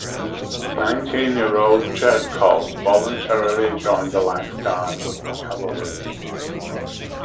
Nineteen-year-old Chertkov voluntarily joined the Life Guards of the Cavalry.